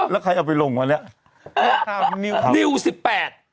เป็นการกระตุ้นการไหลเวียนของเลือด